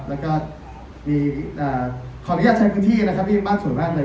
แล้วก็ขออนุญาตทนการใช้คุณที่นะครับที่มีบ้านสวยมากเลย